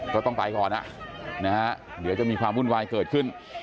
ก็ต้องไปก่อนเดี๋ยวจะมีความวุ่นวายเกิดขึ้น